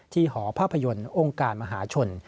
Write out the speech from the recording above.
หอภาพยนตร์องค์การมหาชน